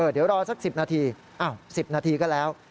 เดี๋ยวรอสัก๑๐นาที๑๐นาทีก็แล้ว